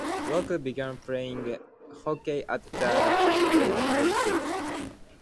Roque began playing hockey at the age of six.